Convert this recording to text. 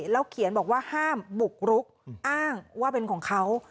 แล้วเขียนบอกว่าห้ามบุกรุกอ้างว่าเป็นของเขา